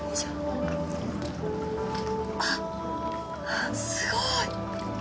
あっ、すごい！